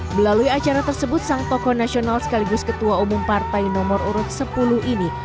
melalui acara tersebut sang tokoh nasional sekaligus ketua umum partai nomor urut sepuluh ini